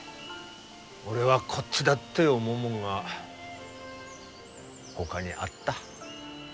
俺はこっちだって思うもんがほかにあった。